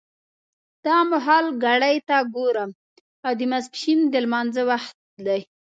دا مهال ګړۍ ته ګورم او د ماسپښین د لمانځه وخت دی.